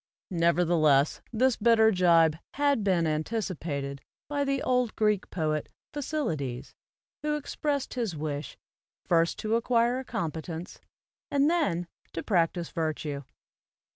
Nevertheless this bitter jibe had been anticipated by the old Greek poet, Phokylides, who expressed his wish, "first to acquire a competence, and then to practise virtue.